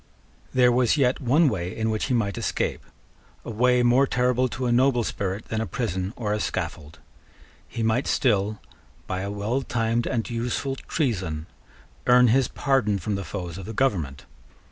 There was yet one way in which he might escape, a way more terrible to a noble spirit than a prison or a scaffold. He might still, by a well timed and useful treason, earn his pardon from the foes of the government.